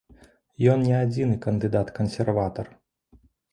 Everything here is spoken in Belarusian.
Ён не адзіны кандыдат-кансерватар.